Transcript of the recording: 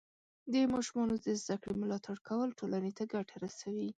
د ماشومانو د زده کړې ملاتړ کول ټولنې ته ګټه رسوي.